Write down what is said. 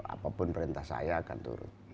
apapun perintah saya akan turut